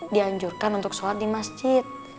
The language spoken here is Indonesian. dianjurkan untuk sholat di masjid